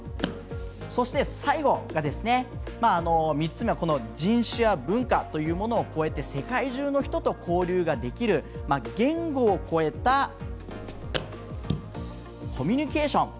そして、最後が３つ目は人種や文化というものを超えて世界中の人と交流ができる言語を越えたコミュニケーション。